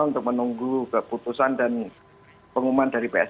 untuk menunggu keputusan dan pengumuman dari psi